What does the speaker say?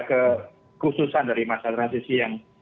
kekhususan dari masa transisi yang